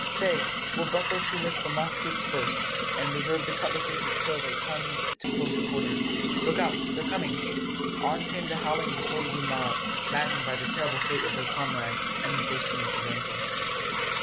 Say, we'll buckle to with the muskets first, and reserve the cutlasses till it comes to close quarters. Look out; they're coming!" On came the howling, disorderly mob, maddened by the terrible fate of their comrades, and thirsting for vengeance.